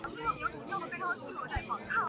基舒纽姆。